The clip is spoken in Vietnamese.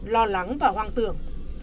lo lắng và hoang tưởng